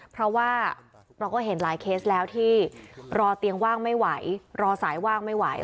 เพราะว่าเราก็เห็นหลายเคสแล้วที่รอเตียงว่างไม่ไหวรอสายว่างไม่ไหว